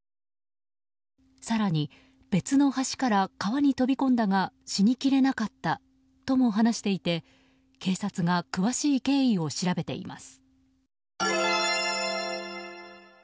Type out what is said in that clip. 更に、別の橋から川に飛び込んだが死にきれなかったとも話していて警察が詳しい経緯を調べています。